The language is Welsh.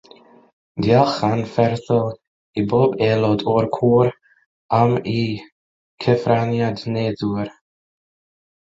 Diolch anferthol i bob aelod o'r côr am eu cyfraniad neithiwr